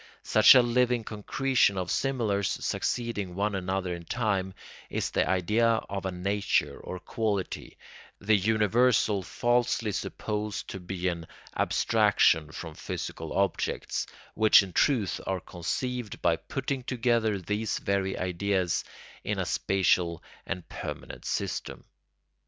Such a living concretion of similars succeeding one another in time, is the idea of a nature or quality, the universal falsely supposed to be an abstraction from physical objects, which in truth are conceived by putting together these very ideas into a spatial and permanent system.